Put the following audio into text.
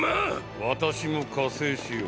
私も加勢しよう。